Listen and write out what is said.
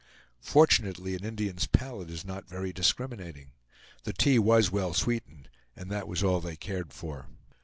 Fortunately an Indian's palate is not very discriminating. The tea was well sweetened, and that was all they cared for.